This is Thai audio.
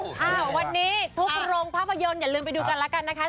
อ่าวันนี้ทุกโรงภาพยนตร์อย่าลืมไปดูกันแล้วกันนะคะ